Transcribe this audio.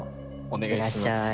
お願いします。